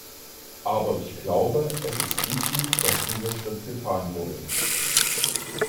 Aber ich glaube, es ist wichtig, dass dieser Schritt getan wurde.